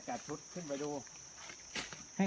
และที่สุดท้ายและที่สุดท้าย